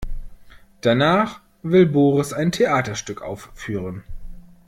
Danach will Boris ein Theaterstück aufführen.